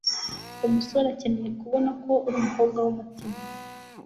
Umusore akeneye kubona ko uri umukobwa w'umutima